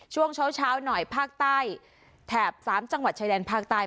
ช่วงเช้าหน่อยภาคใต้แถบ๓จังหวัดชายแดนภาคใต้